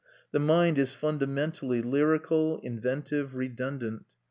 The mind is fundamentally lyrical, inventive, redundant.